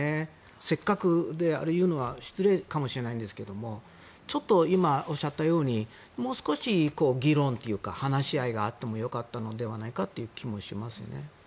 せっかくやるので失礼かもしれないですがちょっと今おっしゃったようにもう少し議論というか話し合いがあってもよかったのではないかという気もしますね。